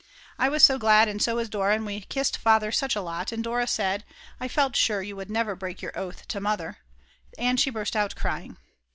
I was so glad, and so was Dora and we kissed Father such a lot, and Dora said: "I felt sure that you would never break your oath to Mother," and she burst out crying.